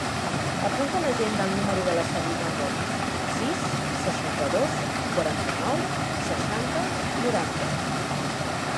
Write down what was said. Apunta a l'agenda el número de la Sabrina Arbona: sis, seixanta-dos, quaranta-nou, seixanta, noranta.